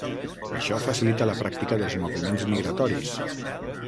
Això facilita la pràctica dels moviments migratoris.